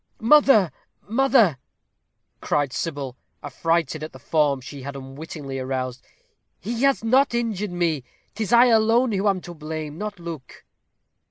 "Mother! mother!" cried Sybil, affrighted at the storm she had unwittingly aroused, "he has not injured me. 'Tis I alone who am to blame, not Luke."